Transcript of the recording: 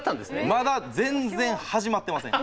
まだ全然始まってません。